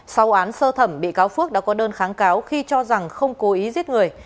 sau án sơ thẩm bị cáo phước đã có đơn kháng cáo khi cho rằng không cố ý giết người